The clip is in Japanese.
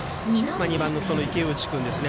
２番の池内君ですね。